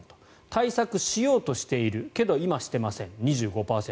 対策しようとしているけど今、していません、２５％。